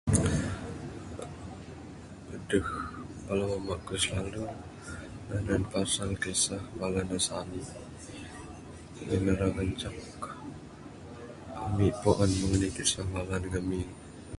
Adeh bala mamba ku silalu nanen pasal kisah bala ne sanik ne...ngin ne ira ngancak ami puan meng anih kisah bala ne ngamin.